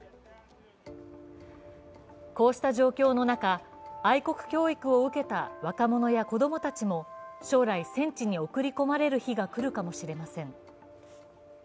こうした状況の中、愛国教育を受けた若者や子供たちも将来、戦地に送り込まれる日が来るかもしれません。